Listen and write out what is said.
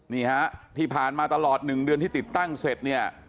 นี่ฮะที่ผ่านมาตลอด๑เดือนที่ติดตั้งเสร็จเนี่ย